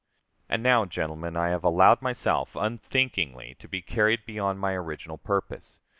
And now, gentlemen, I have allowed myself unthinkingly to be carried beyond my original purpose.